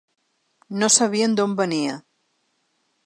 No sabien d’on venia.